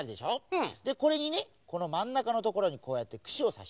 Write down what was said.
うん！でこれにねこのまんなかのところにこうやってくしをさします。